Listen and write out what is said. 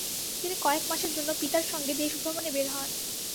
তিনি কয়েক মাসের জন্য পিতার সঙ্গে দেশভ্রমণে বের হন।